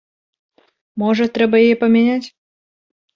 Можа трэба яе памяняць?